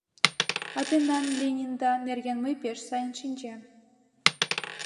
— А тендан Ленинда нерген мый пеш сайын шинчем.